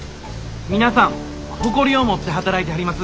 皆さん誇りを持って働いてはります。